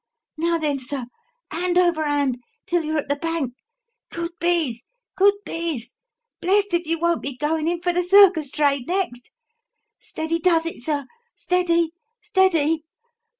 Now then, sir, hand over hand till you're at the bank! Good biz! Good biz! Blest if you won't be goin' in for the circus trade next! Steady does it, sir steady, steady!